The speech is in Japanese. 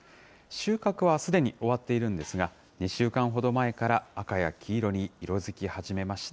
収穫はすでに終わっているんですが、２週間ほど前から、赤や黄色に色づき始めました。